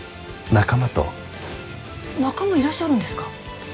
仲間いらっしゃるんですか？